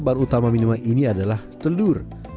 bahan utama minuman ini adalah telur